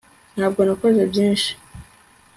ntabwo nakoze byinshi